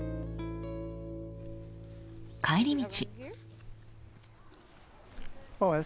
帰り道。